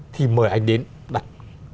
thì mời anh đến đặt